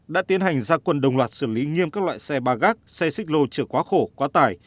đã tiến hành gia quân đồng loạt xử lý nghiêm các loại xe ba gác xe xích lô trở quá khổ quá tải